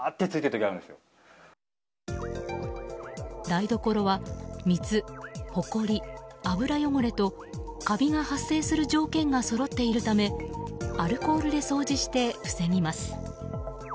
台所は水、ほこり、油汚れとカビが発生する条件がそろっているためアルコールで掃除して防ぎます。